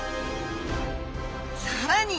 さらに！